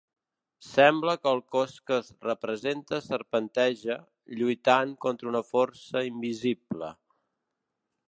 Sembla que el cos que es representa serpenteja, lluitant contra una força invisible.